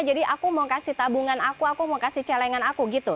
jadi aku mau kasih tabungan aku aku mau kasih celengan aku gitu